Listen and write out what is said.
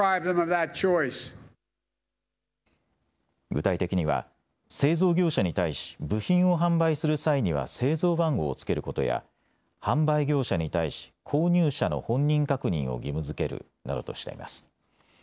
具体的には製造業者に対し部品を販売する際には製造番号をつけることや販売業者に対し購入者の本人確認を義務づけるなどとしています。